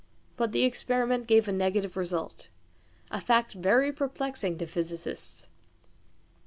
But the experiment gave a negative result a fact very perplexing to physicists.